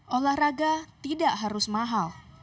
olahraga tidak harus mahal